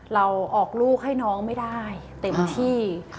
เราออกลูกให้น้องไม่ได้เต็มที่